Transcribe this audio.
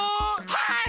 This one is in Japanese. はい！